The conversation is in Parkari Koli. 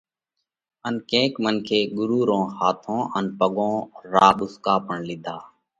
ان ڪينڪ منکي ڳرُو رون هاٿون ان پڳون را ٻُوسڪا پڻ لِيڌا۔